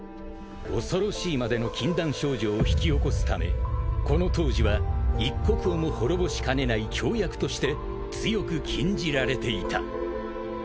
［恐ろしいまでの禁断症状を引き起こすためこの当時は一国をも滅ぼしかねない凶薬として強く禁じられていた］